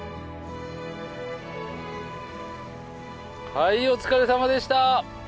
はいお疲れさまでした。